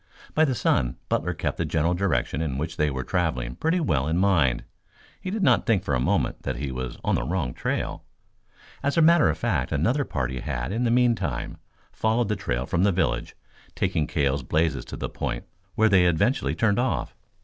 By the sun Butler kept the general direction in which they were traveling pretty well in mind. He did not think for a moment that he was on the wrong trail. As a matter of fact another party had, in the meantime, followed the trail from the village, taking Cale's blazes to the point where they eventually turned off.